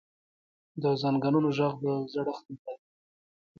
د زنګونونو ږغ د زړښت نښه ده.